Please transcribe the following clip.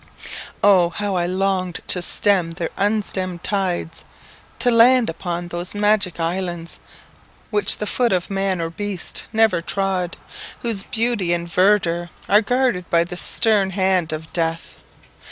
Oh, how I longed to stem their unstemmed tides; to land upon those magic islands which the foot of man or beast never trod, whose beauty and verdure are guarded by the stern hand of death!